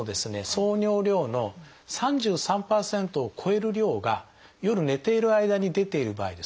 総尿量の３３％を超える量が夜寝ている間に出ている場合ですね